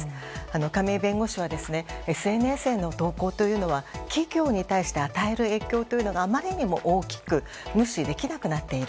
亀井弁護士はＳＮＳへの投稿というのは企業に対して与える影響があまりにも大きく無視できなくなっている。